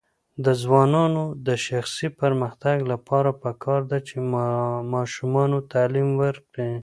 د ځوانانو د شخصي پرمختګ لپاره پکار ده چې ماشومانو تعلیم ورکړي.